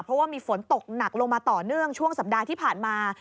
เพราะว่ามีฝนตกหนักลงมาต่อเนื่องช่วงสัปดาห์ที่ผ่านมา